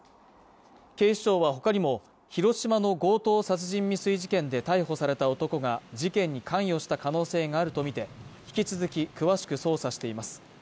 警視庁は他にも、広島の強盗殺人未遂事件で逮捕された男が事件に関与した可能性があるとみて、引き続き詳しく捜査しています。